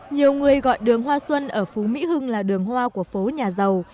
nhiều người gọi đường hoa xuân ở phú mỹ hưng là đường hoa của phố nhà giàu